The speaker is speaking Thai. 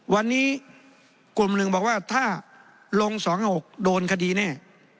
วันนี้กลุ่มหนึ่งบอกว่าถ้าลง๒๖โดนคดีแน่